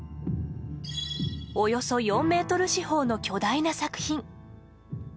およそ４ｍ四方の巨大な作品。